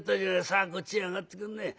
さあこっち上がってくんねえ。